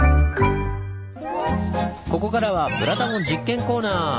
ここからはブラタモ実験コーナー！